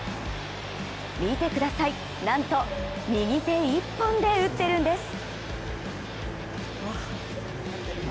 見てください、なんと右手一本で打っているんです。